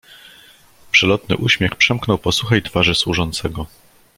"Przelotny uśmiech przemknął po suchej twarzy służącego."